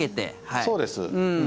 そうです。